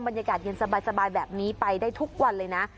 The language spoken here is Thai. บรรยากาศเย็นสบายแบบนี้ไปได้ทุกวันเลยนะ